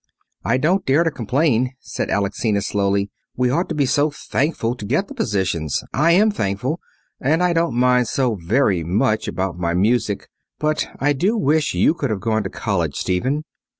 "I don't dare to complain," said Alexina slowly. "We ought to be so thankful to get the positions. I am thankful. And I don't mind so very much about my music. But I do wish you could have gone to college, Stephen."